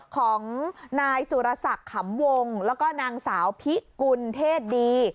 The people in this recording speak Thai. ของนายสุรศักดิ์ขำวงแล้วก็นางสาวพิกุลเทศดี